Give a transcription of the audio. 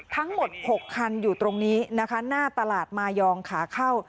ทั้งหมด๖คันอยู่ตรงนี้นะคะหน้าตลาดมายองขาเข้า